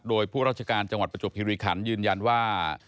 โดยผู้ราชการจังหวัดประจวบคิริขันยืนยันว่า